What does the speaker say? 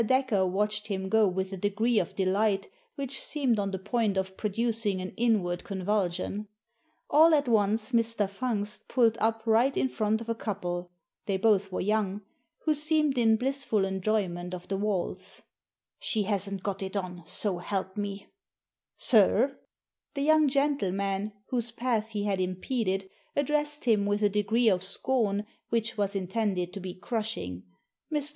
Dacre watched him go with a degree of delight which seemed on the point of producing an inward con vulsion. All at once Mr. Fungst pulled up right p Digitized by VjOOQIC 210 THE SEEN AND THE UNSEEN in front of a couple — they both were young — who seemed in blissful enjoyment of the waltz. " She hasn't got it on, so help me !" ••Sir!" The young gentleman whose path he had impeded addressed him with a degree of scorn which was intended to be crushing. Mr.